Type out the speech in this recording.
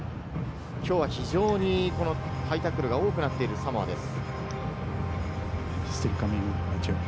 きょうは非常にハイタックルが多くなっているサモアです。